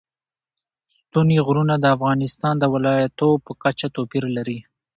ستوني غرونه د افغانستان د ولایاتو په کچه توپیر لري.